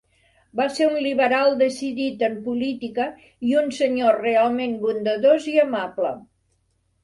Va ser un liberal decidit en política i un senyor realment bondadós i amable.